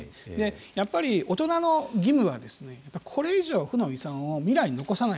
やっぱり大人の義務はこれ以上、負の遺産を未来に残さない。